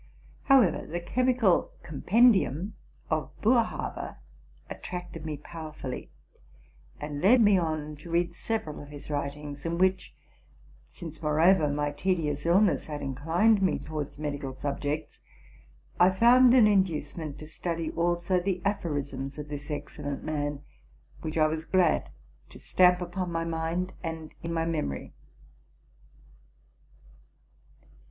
However, the chemical '* Com pendium'' of Boerhaave attracted me powerfully, and led me on to read several of his writings, in which (since, more. ever, my tedious illness had inclined me towards medical subjects) I found an inducement to study also the '* Apho risms'' of this excellent man, which I was glad to stamp upon my mind and in my memory.